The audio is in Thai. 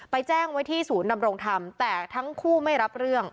แจ้งไว้ที่ศูนย์ดำรงธรรมแต่ทั้งคู่ไม่รับเรื่อง